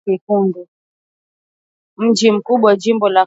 Lubumbashi ni mji mkubwa wa jimbo la katanga